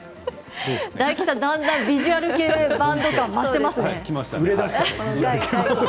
大吉さん、だんだんビジュアル系バンド感が増していますね。